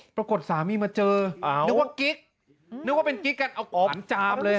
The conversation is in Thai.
ปรากฏสามีมาเจอนึกว่ากิ๊กนึกว่าเป็นกิ๊กกันเอาผมจามเลย